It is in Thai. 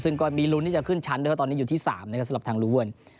ซึ่งก็มีลุ้นที่จะขึ้นชั้นด้วยเพราะตอนนี้อยู่ที่๓นะครับสำหรับทางลูเวิร์น